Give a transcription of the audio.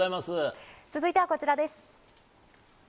続いてはこちらです。